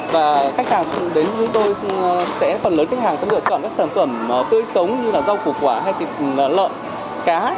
và khách hàng đến chúng tôi sẽ phần lớn khách hàng sẽ lựa chọn các sản phẩm tươi sống như là rau củ quả hay thịt lợn cá